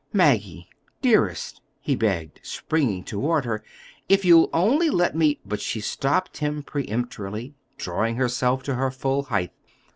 "Maggie, dearest," he begged, springing toward her, "if you'll only let me—" But she stopped him peremptorily, drawing herself to her full height.